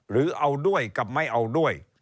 หรือเอาด้วยกับไม่เอาด้วย